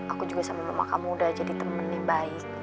aku juga sama mama muda jadi temen yang baik